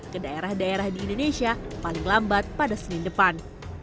ke daerah daerah di indonesia paling lambat pada senin depan